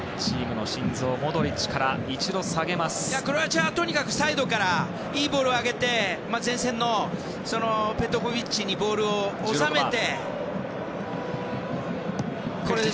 クロアチアはとにかくサイドからいいボールを上げて前線のペトコビッチにボールを収めて。